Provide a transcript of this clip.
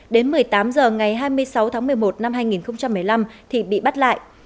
đến một mươi tám h ngày hai mươi sáu tháng một mươi một năm hai nghìn một mươi năm thì bị bắt lại